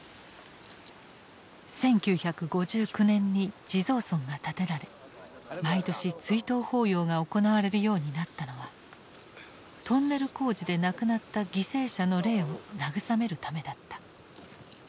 １９５９年に地蔵尊が建てられ毎年追悼法要が行われるようになったのはトンネル工事で亡くなった犠牲者の霊を慰めるためだった。